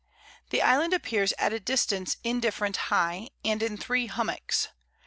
The Island appears at a distance indifferent high, and in 3 Hummocks.